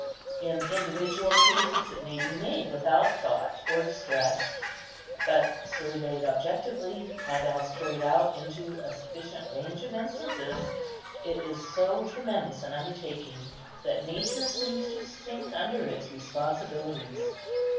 In individual cases it may be made without thought or distress, but surveyed objectively, and as carried out into a sufficient range of instances, it is so tremendous an undertaking that nature seems to sink under its responsibilities.